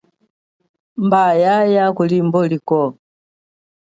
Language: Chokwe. Mba, yaaya kulimbo likwo.